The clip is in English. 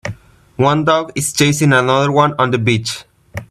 One dog is chasing another one on the beach.